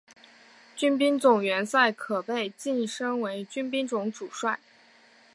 军兵种元帅可被晋升为军兵种主帅。